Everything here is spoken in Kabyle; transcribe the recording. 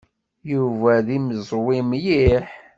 Yuba d imeẓwi mliḥ.